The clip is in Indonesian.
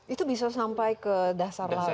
itu bisa sampai ke dasar laut